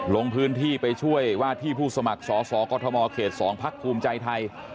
ลงพื้นที่ไปช่วยว่าที่ผู้สมัครสอสอกอทมเขต๒พักภูมิใจไทย